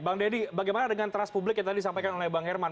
bang deddy bagaimana dengan trust publik yang tadi disampaikan oleh bang herman